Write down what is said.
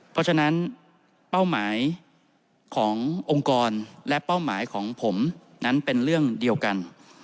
เพราะฉะนั้นเป้าหมายขององค์กรและเป้าหมายของผมนั้นเป็นเรื่องเดียวกัน